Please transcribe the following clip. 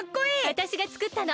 わたしがつくったの。